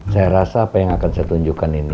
saya rasa apa yang akan saya tunjukkan ini